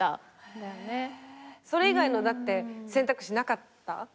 それ以外の選択肢なかった？